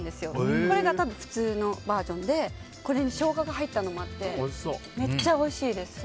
これが普通のバージョンでショウガが入ってるものもあってめっちゃおいしいです。